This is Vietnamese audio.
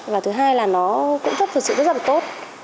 và thứ hai là nó cũng rất thật sự rất là tốt